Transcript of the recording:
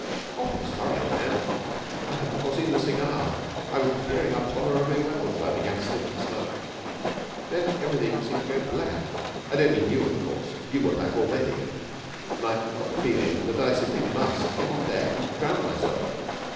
"Awfully sorry, old man. I hadn't foreseen the cigar. I was bearing up tolerably well till I began to sniff the smoke. Then everything seemed to go black I don't mean you, of course. You were black already and I got the feeling that I simply must get on deck and drown myself."